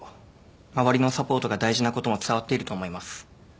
周りのサポートが大事なことも伝わっていると思います。